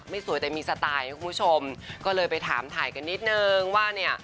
สวยแต่มีสไตล์คุณผู้ชมก็เลยไปถามถ่ายกันนิดนึงว่าเนี่ย